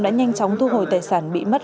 đã nhanh chóng thu hồi tài sản bị mất